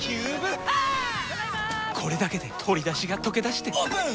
これだけで鶏だしがとけだしてオープン！